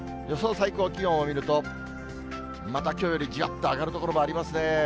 最高気温を見ると、またきょうよりじわっと上がる所もありますね。